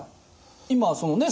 今そのね